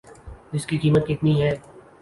اس کی قیمت کتنی ہے